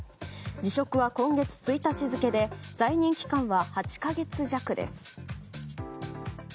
辞職は今月１日付で在任期間は８か月弱です。